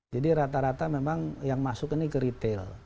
jadi rata rata memang yang masuk ini ke retail